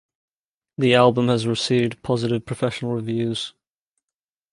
The album has received positive professional reviews.